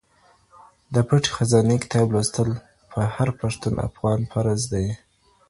د پټې خزانې کتاب لوستل په هر پښتون افغان فرض دې.